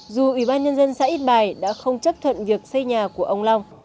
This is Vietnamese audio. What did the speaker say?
dù ủy ban nhân dân xã ít bài đã không chấp thuận việc xây nhà của ông long